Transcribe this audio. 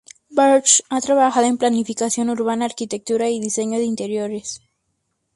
Varg ha trabajado en planificación urbana, arquitectura y diseño de interiores.